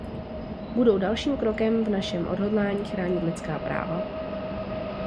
Budou dalším krokem v našem odhodlání chránit lidská práva.